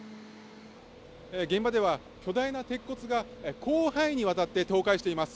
現場では巨大な鉄骨が、広範囲にわたって倒壊しています。